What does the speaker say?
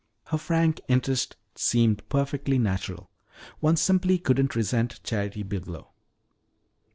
Her frank interest seemed perfectly natural. One simply couldn't resent Charity Biglow.